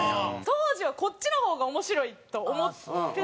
当時はこっちの方が面白いと思ってたから。